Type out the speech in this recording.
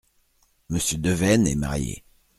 Monsieur Devaisnes est marié.